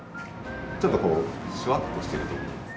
ちょっとこうシュワッとしてるどぶろくです。